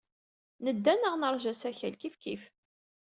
Nedda neɣ neṛja asakal kifkif.